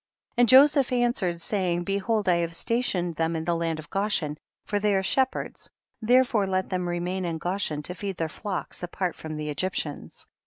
23. And Joseph answered, saying, behold I have stationed them in the land of Goshen, for they are shep herds, therefore let them remain in Goshen to feed their flocks apart from the Egyptians.